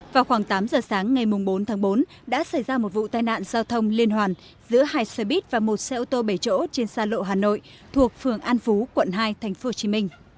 vào khoảng tám giờ sáng ngày bốn tháng bốn đã xảy ra một vụ tai nạn giao thông liên hoàn giữa hai xe buýt và một xe ô tô bảy chỗ trên xa lộ hà nội thuộc phường an phú quận hai tp hcm